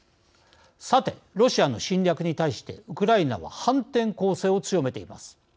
さてロシアの侵略に対してウクライナは反転攻勢を強めています。